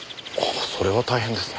それは大変ですね。